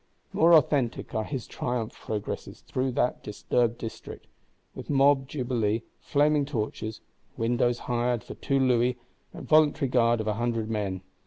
More authentic are his triumph progresses through that disturbed district, with mob jubilee, flaming torches, "windows hired for two louis," and voluntary guard of a hundred men.